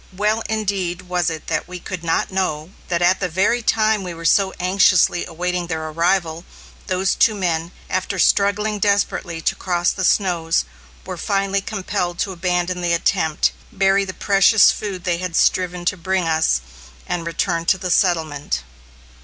Well, indeed, was it that we could not know that at the very time we were so anxiously awaiting their arrival, those two men, after struggling desperately to cross the snows, were finally compelled to abandon the attempt, bury the precious food they had striven to bring us, and return to the settlement.